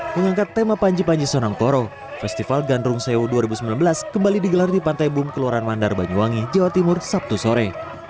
mengangkat tema panji panji sonangkoro festival gandrung sewo dua ribu sembilan belas kembali digelar di pantai bum keluaran mandar banyuwangi jawa timur sabtu sore